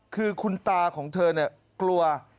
คือคุณตาของเธอเนี่ยกลัว